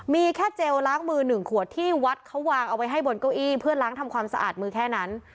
มีแค่เจลล้างมือหนึ่งขวดที่วัดเขาวางเอาไว้ให้บนเก้าอี้เพื่อล้างทำความสะอาดมือแค่นั้น